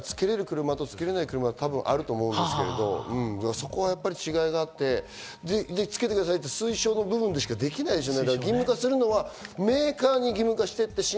レトロでつけるっていうのはつけられる車とつけられない車があると思うんですけど、そこは違いがあって、つけてくださいって推奨の部分でしかできないですよね。